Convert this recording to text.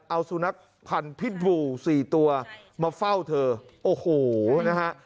เอาสุนัขพันธ์พิษบูสี่ตัวมาเฝ้าเธอโอ้โหนะฮะ